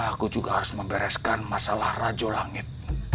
aku juga harus membereskan masalah rajo langit